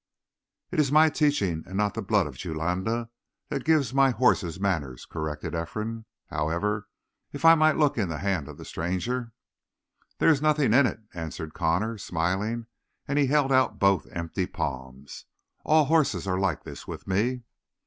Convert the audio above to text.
"It is my teaching and not the blood of Julanda that gives my horses manners," corrected Ephraim. "However, if I might look in the hand of the stranger " "There is nothing in it," answered Connor, smiling, and he held out both empty palms. "All horses are like this with me."